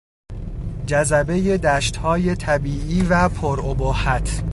جذبهی دشتهای طبیعی و پر ابهت